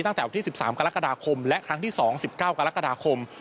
ตั้งแต่วันที่๑๓กรกฎาคมและครั้งที่๒๑๙กรกฎาคม